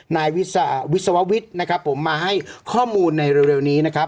นายวิศววิทย์นะครับผมมาให้ข้อมูลในเร็วนี้นะครับ